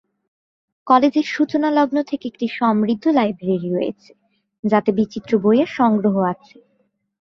কলেজের সূচনালগ্ন থেকে একটি সমৃদ্ধ লাইব্রেরি রয়েছে; যাতে বিচিত্র বইয়ের সংগ্রহ আছে।